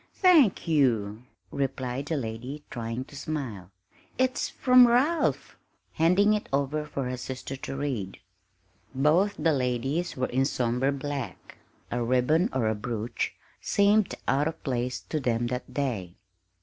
"Thank you," replied the lady, trying to smile. "It's from Ralph," handing it over for her sister to read. Both the ladies were in somber black; a ribbon or a brooch seemed out of place to them that day.